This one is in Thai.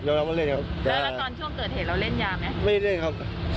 เดี๋ยวเรามาเล่นครับ